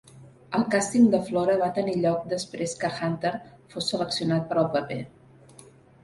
El càsting de Flora va tenir lloc després que Hunter fos seleccionat per al paper.